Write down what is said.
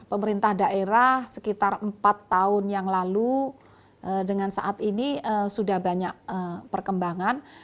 pemerintah daerah sekitar empat tahun yang lalu dengan saat ini sudah banyak perkembangan